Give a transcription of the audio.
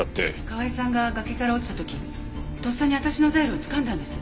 河合さんが崖から落ちた時とっさに私のザイルをつかんだんです。